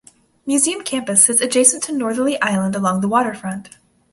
Museum Campus sits adjacent to Northerly Island along the waterfront.